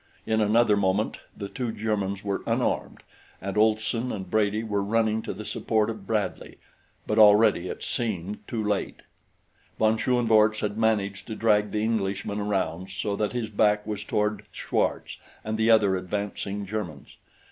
In another moment the two Germans were unarmed and Olson and Brady were running to the support of Bradley; but already it seemed too late. Von Schoenvorts had managed to drag the Englishman around so that his back was toward Schwartz and the other advancing Germans.